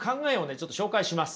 ちょっと紹介します。